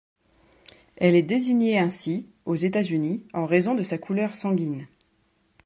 Elle est désignée ainsi, aux États-Unis, en raison de sa couleur sanguine.